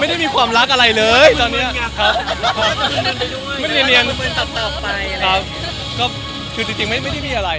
ไม่ไม่เกี่ยวอะไรกับพี่โต๊ะฟิสุทธิ์เลย